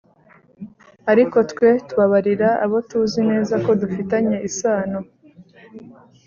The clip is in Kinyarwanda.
ariko twe tubabarira abo tuzi neza ko dufitanye isano